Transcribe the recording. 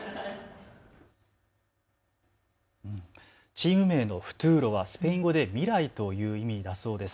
チーム名のフトゥーロはスペイン語で未来という意味だそうです。